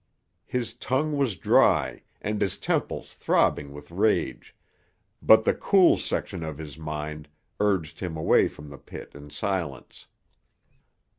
His tongue was dry and his temples throbbing with rage, but the cool section of his mind urged him away from the pit in silence.